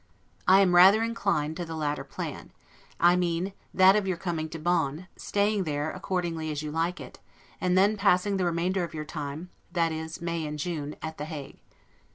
I am rather inclined to the latter plan; I mean that of your coming to Bonn, staying there according as you like it, and then passing the remainder of your time, that is May and June, at The Hague.